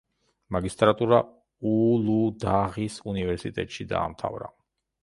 მაგისტრატურა ულუდაღის უნივერსიტეტში დაამთავრა.